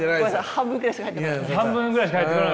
半分くらいしか入ってこなかったです。